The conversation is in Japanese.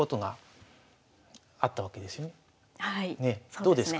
どうですか？